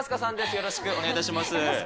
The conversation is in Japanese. よろしくお願いします。